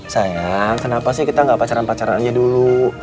sayang kenapa sih kita gak pacaran pacaran aja dulu